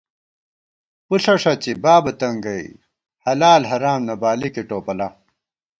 پُݪہ ݭڅی، بابہ تنگئ ، حلال حرام نہ بالِکے ٹوپلا